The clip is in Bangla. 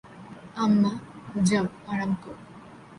আম্মা, যাও আরাম করো।